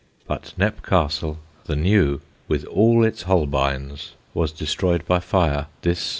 But Knepp Castle, the new, with all its Holbeins, was destroyed by fire this 1904.